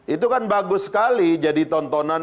itu kan bagus sekali jadi tontonan